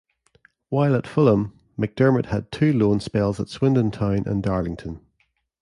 While at Fulham, McDermott had two loan spells at Swindon Town and Darlington.